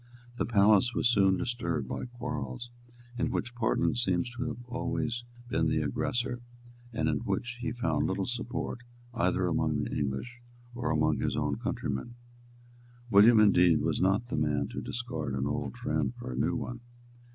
The palace was soon disturbed by quarrels in which Portland seems to have been always the aggressor, and in which he found little support either among the English or among his own countrymen. William, indeed, was not the man to discard an old friend for a new one.